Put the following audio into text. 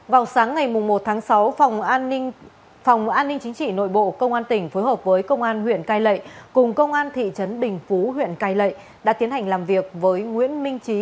vào sáng ngày một tháng sáu phòng an ninh phòng an ninh chính trị nội bộ công an tỉnh phối hợp với công an huyện cai lệ cùng công an thị trấn bình phú huyện cai lệ đã tiến hành làm việc với nguyễn minh trí